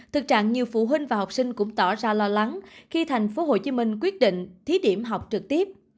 thực trạng nhiều phụ huynh và học sinh cũng tỏ ra lo lắng khi tp hcm quyết định thí điểm học trực tiếp